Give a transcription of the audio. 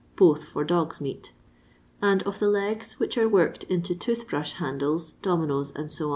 (both for dogs' meat), and of the legs which are worked into tooth brush handles, dominoes, &c., Is.